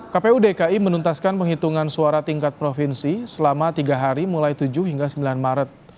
kpu dki menuntaskan penghitungan suara tingkat provinsi selama tiga hari mulai tujuh hingga sembilan maret